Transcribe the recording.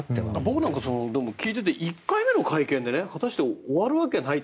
僕なんか聞いていて１回目の会見で果たして終わるわけないと。